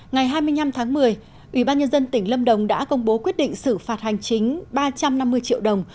ngày hai mươi năm tháng một mươi ubnd tỉnh lâm đồng đã công bố quyết định xử phạt hành chính ba trăm năm mươi triệu đồng